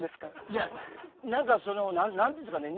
いや何かその何て言うんですかね